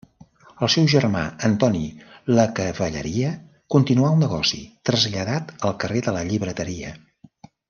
El seu germà Antoni Lacavalleria continuà el negoci, traslladat al carrer de la Llibreteria.